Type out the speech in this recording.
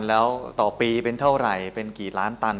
แล้วต่อปีเป็นเท่าไหร่เป็นกี่ล้านตัน